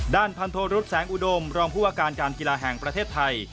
ด้านพันโทรุษแสงอุดมรองผู้ว่าการการกีฬาแห่งประเทศไทย